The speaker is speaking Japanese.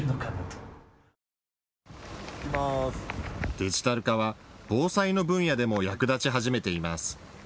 デジタル化は防災の分野でも役立ち始めています。